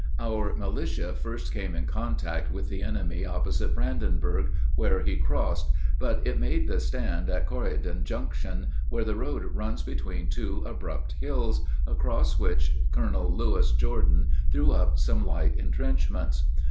Our militia first came in contact with the enemy opposite Brandenburg, where he crossed; but it made the stand at Corydon Junction, where the road runs between two abrupt hills, across which Colonel Lewis Jordan threw up some light intrenchments.